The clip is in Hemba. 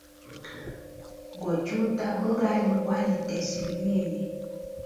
Gochuta bugali bwa nitesile mimi.